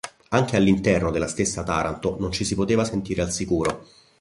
Anche all'interno della stessa Taranto non ci si poteva sentire al sicuro.